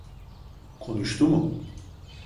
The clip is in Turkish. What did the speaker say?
Konuştu mu?